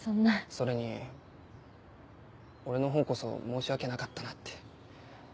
それに俺の方こそ申し訳なかったなって。